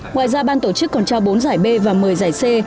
ngoài ra ban tổ chức còn trao bốn giải b và một mươi giải c